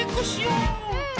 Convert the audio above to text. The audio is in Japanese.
うん！